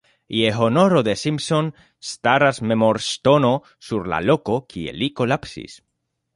Je honoro de Simpson, staras memorŝtono sur la loko, kie li kolapsis.